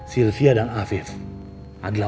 sylvia dan afif adalah orang orang bodoh